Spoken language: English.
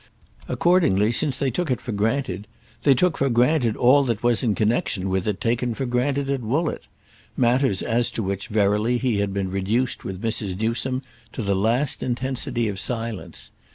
Accordingly, since they took it for granted, they took for granted all that was in connexion with it taken for granted at Woollett—matters as to which, verily, he had been reduced with Mrs. Newsome to the last intensity of silence.